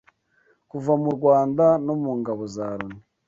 kuva mu Rwanda no mu ngabo za Loni